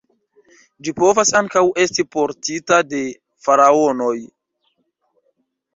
Ĝi povas ankaŭ esti portita de faraonoj.